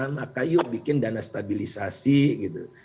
maka yuk bikin dana stabilisasi gitu